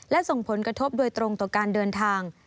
และส่งผลกระทบโดยตรงต่อการเดินทาง